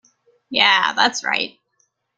Yeah, that's right!.